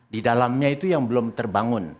di dalamnya itu yang belum terbangun